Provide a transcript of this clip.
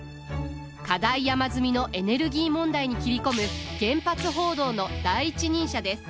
課題山積のエネルギー問題に切り込む原発報道の第一人者です。